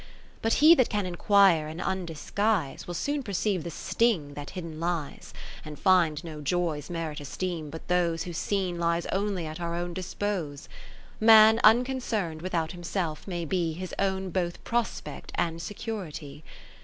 But he that can inquire and undis guise, Will soon perceive the sting that hidden lies ; And find no joys merit esteem but those Whose scene lies only at our own dispose. Man unconcern'd without himself may be His own both prospect and security.